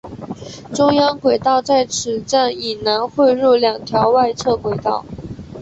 中央轨道在此站以南汇入两条外侧轨道。